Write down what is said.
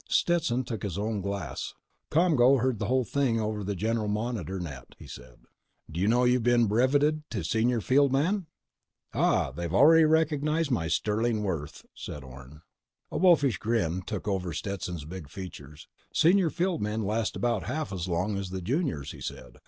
Stetson took his own glass. "ComGO heard the whole thing over the general monitor net," he said. "D'you know you've been breveted to senior field man?" "Ah, they've already recognized my sterling worth," said Orne. The wolfish grin took over Stetson's big features. "Senior field men last about half as long as the juniors," he said.